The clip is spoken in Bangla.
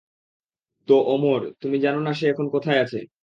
তো, অমর, তুমি জানো না সে এখন কোথায় আছে?